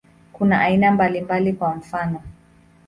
Kuna aina mbalimbali, kwa mfano.